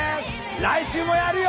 来週もやるよ！